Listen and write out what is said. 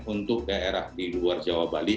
untuk daerah di luar jawa bali